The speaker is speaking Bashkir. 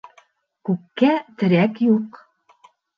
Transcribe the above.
Күккә терәк юҡ.